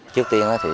trước tiên thì